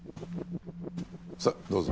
さあどうぞ。